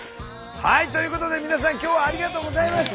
はいということで皆さんきょうはありがとうございました！